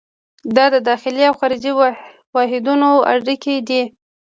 دا د داخلي او خارجي واحدونو اړیکې دي.